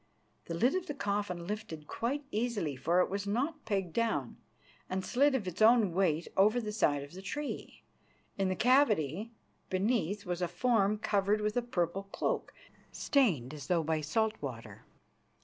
The lid of the coffin lifted quite easily, for it was not pegged down, and slid of its own weight over the side of the tree. In the cavity beneath was a form covered with a purple cloak stained as though by salt water.